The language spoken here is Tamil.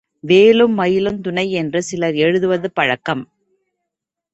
வேலும் மயிலும் துணை என்று சிலர் எழுதுவது பழக்கம்.